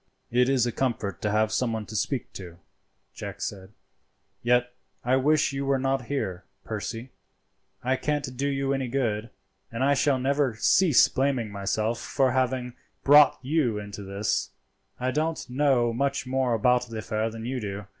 "It is a comfort to have someone to speak to," Jack said, "yet I wish you were not here, Percy; I can't do you any good, and I shall never cease blaming myself for having brought you into this scrape. I don't know much more about the affair than you do.